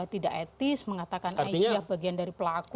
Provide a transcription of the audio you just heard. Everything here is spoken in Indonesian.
tidak etis mengatakan aisyah bagian dari pelaku